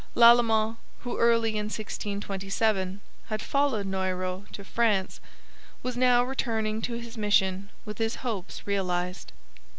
Lalemant, who early in 1627 had followed Noyrot to France, was now returning to his mission with his hopes realized.